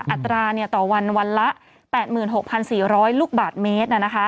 อัตราต่อวันวันละ๘๖๔๐๐ลูกบาทเมตร